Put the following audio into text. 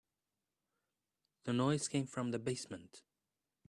The noise came from the basement.